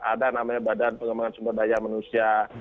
ada namanya badan pengembangan sumber daya manusia